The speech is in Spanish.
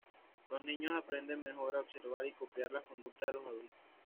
Los niños aprenden mejor al observar y copiar las conductas de los adultos.